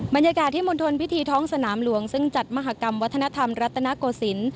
บรรยากาศที่มณฑลพิธีท้องสนามหลวงซึ่งจัดมหากรรมวัฒนธรรมรัตนโกศิลป์